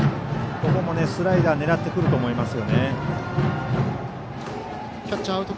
ここもスライダー狙ってくると思います。